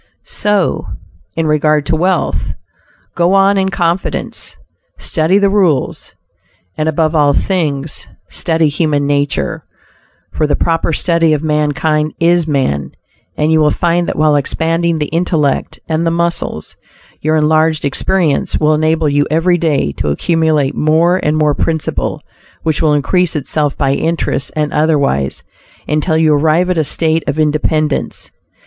So in regard to wealth. Go on in confidence, study the rules, and above all things, study human nature; for "the proper study of mankind is man," and you will find that while expanding the intellect and the muscles, your enlarged experience will enable you every day to accumulate more and more principal, which will increase itself by interest and otherwise, until you arrive at a state of independence.